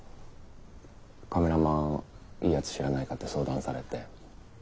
カメラマンいいやつ知らないかって相談されて。